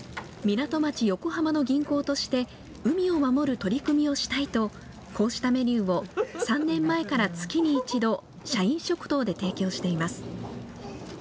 港町、横浜の銀行として、海を守る取り組みをしたいと、こうしたメニューを３年前から月に１度、社員食堂で提供しています。